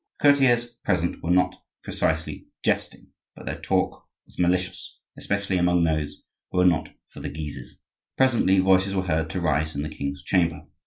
The courtiers present were not precisely jesting; but their talk was malicious, especially among those who were not for the Guises. Presently voices were heard to rise in the king's chamber.